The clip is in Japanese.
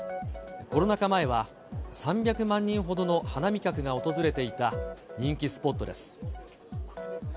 コロナ禍前は、３００万人ほどの花見客が訪れていた人気スポットです。